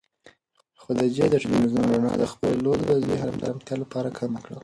خدیجې د تلویزون رڼا د خپلې لور د ذهن د ارامتیا لپاره کمه کړه.